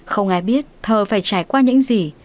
không ai biết thờ phải trải qua những gì